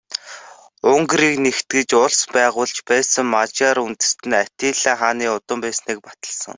Унгарыг нэгтгэж улс байгуулж байсан Мажар үндэстэн Атилла хааны удам байсныг баталсан.